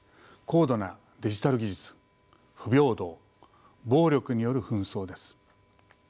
高度なデジタル技術不平等暴力による紛争です。